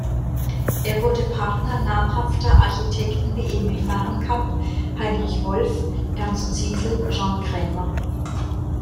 Er wurde Partner namhafter Architekten wie Emil Fahrenkamp, Heinrich Wolff, Ernst Ziesel, Jean Krämer.